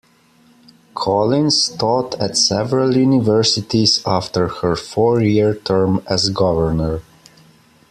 Collins taught at several universities after her four-year term as governor.